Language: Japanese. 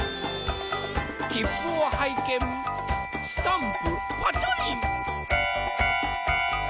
きっぷをはいけんスタンプパチョリン。